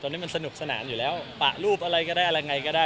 ตอนนี้มันสนุกสนานอยู่แล้วปะรูปอะไรก็ได้อะไรไงก็ได้